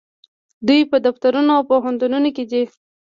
دوی په دفترونو او پوهنتونونو کې دي.